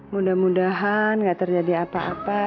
mudah mudahan gak terjadi apa apa